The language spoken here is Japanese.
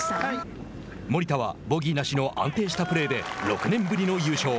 森田はボギーなしの安定したプレーで６年ぶりの優勝。